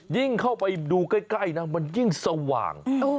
ยิ่งเข้าไปดูใกล้นะมันยิ่งสว่าง